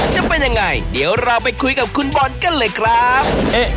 จะเป็นยังไงเดี๋ยวเราไปคุยกับคุณบอลกันเลยครับ